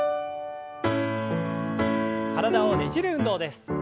体をねじる運動です。